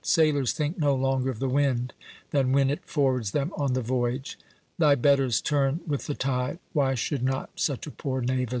Sailors think no longer of the wind than when it forwards them on the voyage—thy betters turn with the tide, why should not such a poor knave as thou?"